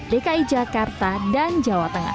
dki jakarta dan jawa tengah